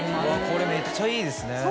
これめっちゃいいですね。